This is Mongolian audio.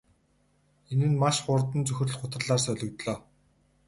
Энэ нь маш хурдан цөхрөл гутралаар солигдлоо.